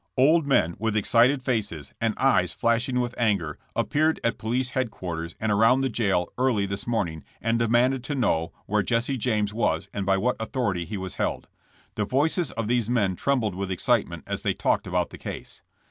Old men with excited faces and eyes flashing with anger appeared at police headquarters and around the jail early this morning and demanded to know where Jesse James was and by what authority he was held. The voices of these men trembled with excitement as they talked about the case.